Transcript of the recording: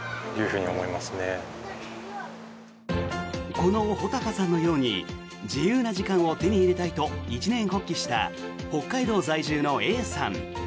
この穂高さんのように自由な時間を手に入れたいと一念発起した北海道在住のＡさん。